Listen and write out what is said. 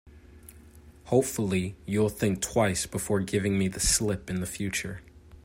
Hopefully, you'll think twice before giving me the slip in future.